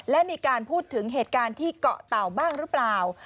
และมีการพูดถึงเหตุการณ์ที่เกาะเต่าบ้างหรือเปล่า